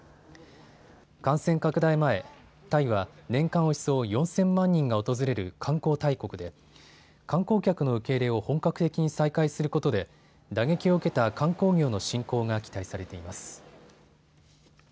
感染拡大前、タイは年間およそ４０００万人が訪れる観光大国で観光客の受け入れを本格的に再開することで打撃を受けた観光業の振興が期待されています。